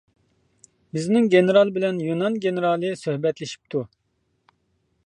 بىزنىڭ گېنېرال بىلەن يۇنان گېنېرالى سۆھبەتلىشىپتۇ.